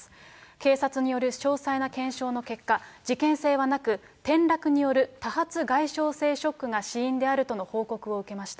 警察による詳細な検証の結果、事件性はなく、転落による多発外傷性ショックが死因であるとの報告を受けました。